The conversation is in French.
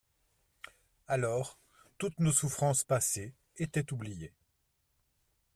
Alors toutes nos souffrances passées étaient oubliées.